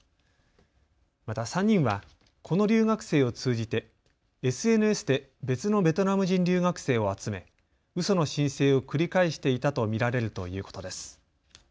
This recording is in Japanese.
また３人はこの留学生を通じてＳＮＳで別のベトナム人留学生を集め、うその申請を繰り返していたと見られるということです。